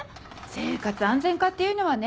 生活安全課っていうのはね